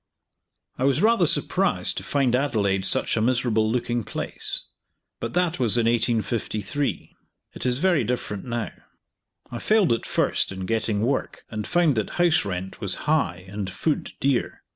I was rather surprised to find Adelaide such a miserable looking place; but that was in 1853. It is very different now. I failed at first in getting work, and found that house rent was high and food dear.